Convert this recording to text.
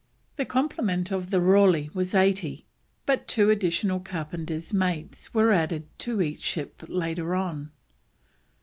The complement of the Raleigh was eighty, but two additional carpenters' mates were added to each ship later on.